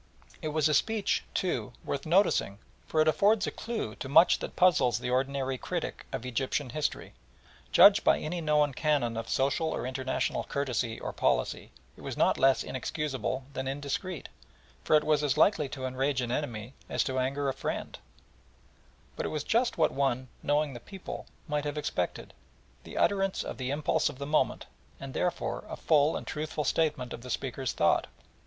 It was a speech, too, worth noticing, for it affords a clue to much that puzzles the ordinary critic of Egyptian history. Judged by any known canon of social or international courtesy or policy, it was not less inexcusable than indiscreet, for it was as likely to enrage an enemy as to anger a friend, but it was just what one knowing the people might have expected the utterance of the impulse of the moment, and, therefore, a full and truthful statement of the speaker's thought.